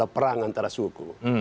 perang antara suku